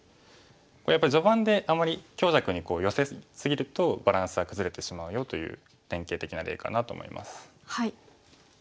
やっぱり序盤であんまり強弱に寄せ過ぎるとバランスが崩れてしまうよという典型的な例かなと思います。